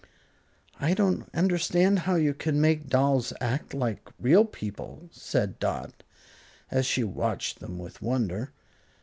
"I don't understand how you can make dolls act like real people," said Dot, as she watched them with wonder.